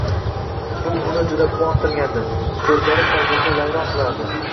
Bu uni juda sevintirgandi, so‘zlari qalbimni vayron qilardi